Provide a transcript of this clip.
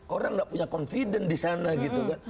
orang tidak punya kepercayaan di sana gitu kan